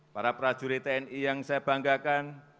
para prajurit tni yang saya banggakan